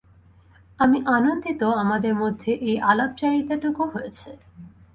আমি আনন্দিত আমাদের মধ্যে এই আলাপচারিতাটুকু হয়েছে।